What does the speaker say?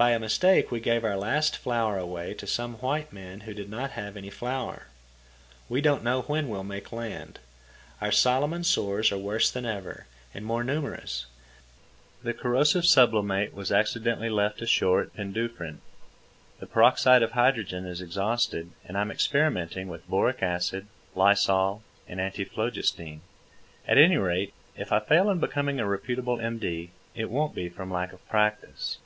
By a mistake we gave our last flour away to some white men who did not have any flour. We don't know when we'll make land. Our Solomon sores are worse than ever, and more numerous. The corrosive sublimate was accidentally left ashore at Penduffryn; the peroxide of hydrogen is exhausted; and I am experimenting with boracic acid, lysol, and antiphlogystine. At any rate, if I fail in becoming a reputable M.D., it won't be from lack of practice.